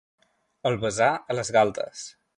El besà a les galtes.